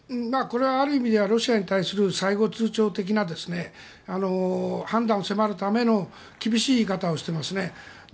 これはある意味ではロシアに対する最後通ちょう的な判断を迫るための厳しい言い方をしていますね。